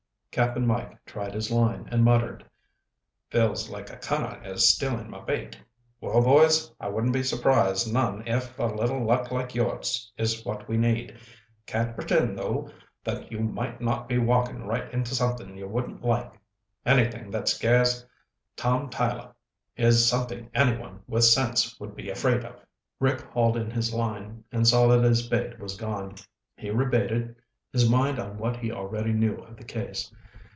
Cap'n Mike tried his line and muttered, "Feels like a cunner is stealing my bait. Well, boys, I wouldn't be surprised none if a little luck like yours is what we need. Can't pretend, though, that you might not be walking right into something you wouldn't like. Anything that scares Tom Tyler is something anyone with sense would be afraid of." Rick hauled in his line and saw that his bait was gone. He rebaited, his mind on what he already knew of the case.